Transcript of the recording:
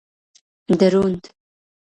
دروند